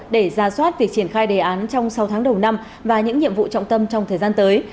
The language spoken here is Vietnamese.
để ra soát việc triển khai đề án trong sáu tháng đầu năm và những nhiệm vụ trọng tâm trong thời gian tới